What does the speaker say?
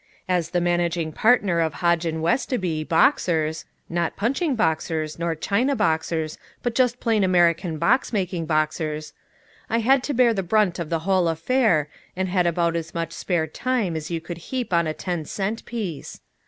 As the managing partner of Hodge & Westoby, boxers (not punching boxers, nor China boxers, but just plain American box making boxers), I had to bear the brunt of the whole affair, and had about as much spare time as you could heap on a ten cent piece.